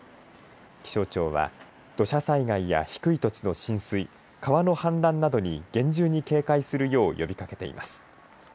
気象庁は土砂災害や低い土地の浸水川の氾濫などに厳重に警戒するよう呼びかけています。